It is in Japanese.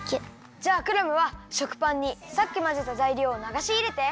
じゃあクラムは食パンにさっきまぜたざいりょうをながしいれて。